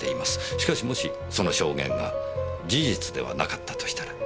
しかしもしその証言が事実ではなかったとしたら。